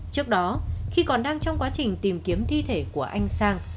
trước đó khi còn đang trong quá trình tìm kiếm thi thể của anh sang